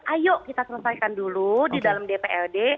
ayo kita selesaikan dulu di dalam dprd